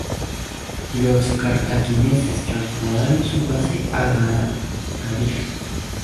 Los cartagineses trasladaron su base a Gadir.